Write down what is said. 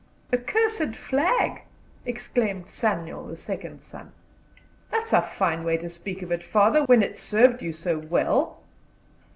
"Accursed flag!" exclaimed Samuel, the second son. "That's a fine way to speak of it, father, when it served you so well."